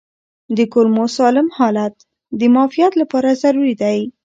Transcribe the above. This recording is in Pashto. د کولمو سالم حالت د معافیت لپاره ضروري دی.